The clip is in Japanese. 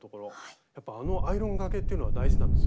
やっぱあのアイロンがけっていうのは大事なんですよね？